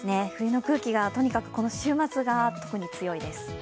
冬の空気がとにかくこの週末が特に強いです。